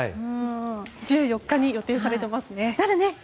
１４日に予定されていますね。